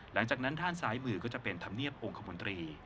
หลังจากนั้นด้านซ้ายมือก็จะเป็นธรรมเนียบองค์คมนตรี